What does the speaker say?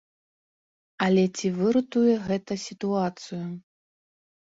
Але ці выратуе гэта сітуацыю?